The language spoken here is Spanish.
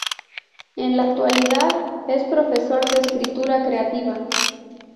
En la actualidad es profesor de escritura creativa.